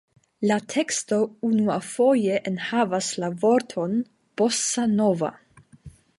La teksto unuafoje enhavas la vorton „bossa-nova“.